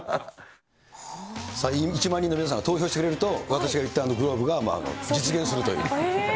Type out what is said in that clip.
１万人の皆さんが投票してくれると、私が言ったグローブが実現するという。